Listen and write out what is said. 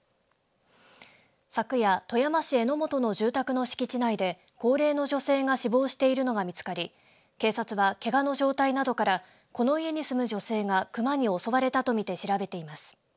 昨夜富山市江本の住宅の敷地内で高齢の女性が死亡しているのが見つかり警察はけがの状態などからこの家に住む女性がクマに襲われたと見て調べています。